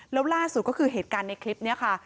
แล้วล่าสุดก็คือเหตุการณ์ในคลิปนี้ค่ะ